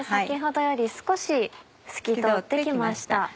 先ほどより少し透き通って来ました。